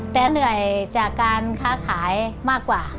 แต่เหนื่อยจากการค้าขายมากกว่า